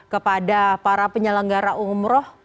kepada para penyelenggara umrah